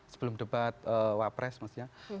sebelum debat wapres maksudnya